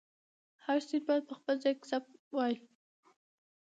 هر سند باید په خپل ځای کې ثبت وای.